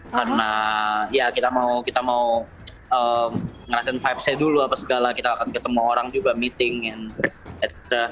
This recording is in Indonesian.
karena ya kita mau ngerasain lima c dulu apa segala kita akan ketemu orang juga meeting and etc